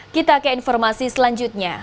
kita ke informasi selanjutnya